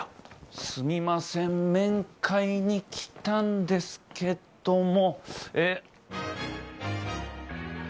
すみません、面会に来たんですけども。